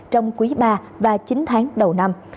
trong quý ba và chín tháng đầu năm